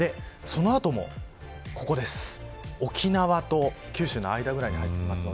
その後も沖縄と九州の間ぐらいに入ってきます。